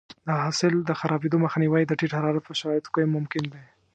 د حاصل د خرابېدو مخنیوی د ټیټ حرارت په شرایطو کې ممکن دی.